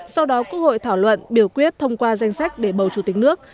sau đó quốc hội thảo luận biểu quyết thông qua danh sách để bầu chủ tịch nước